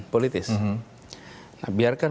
politis nah biarkan